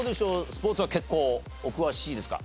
スポーツは結構お詳しいですか？